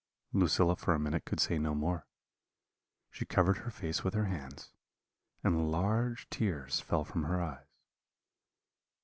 "Lucilla for a minute could say no more; she covered her face with her hands, and large tears fell from her eyes.